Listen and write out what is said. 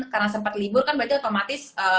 karena sempet libur kan berarti otomatis